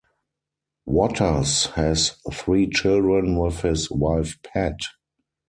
Watters has three children with his wife Pat.